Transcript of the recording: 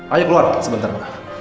ayo keluar sebentar pak